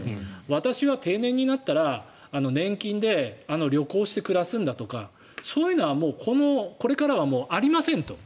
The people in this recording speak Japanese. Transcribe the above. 私は定年になったら年金で旅行して暮らすんだとかそういうのはもうこれからはありませんと。